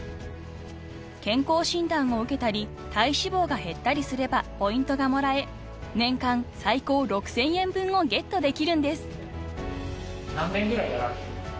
［健康診断を受けたり体脂肪が減ったりすればポイントがもらえ年間最高６，０００円分をゲットできるんです］